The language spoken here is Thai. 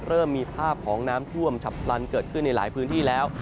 เริ่มมีภาพของน้ำท่วมฉับพลันเกิดขึ้นในหลายพื้นที่แล้ว